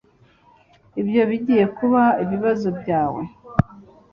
Ibyo bigiye kuba ibibazo byawe